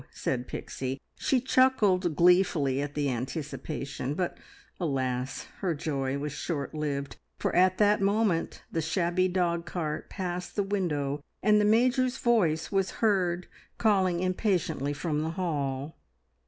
said Pixie. She chuckled gleefully at the anticipation; but, alas! her joy was short lived, for at that moment the shabby dogcart passed the window, and the Major's voice was heard calling impatiently from the hall.